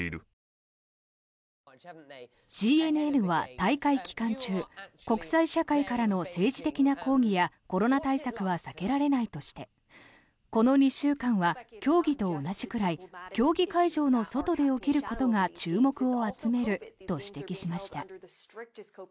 ＣＮＮは大会期間中国際社会からの政治的な抗議やコロナ対策は避けられないとしてこの２週間は競技と同じくらい競技会場の外で起きることが注目を集めると指摘しました。